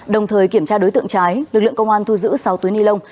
đồng thời kiểm tra đối tượng trái lực lượng công an thu giữ sáu túi ni lông